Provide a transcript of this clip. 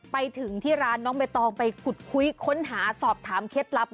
ไปถึงที่ร้านน้องใบตองไปขุดคุยค้นหาสอบถามเคล็ดลับ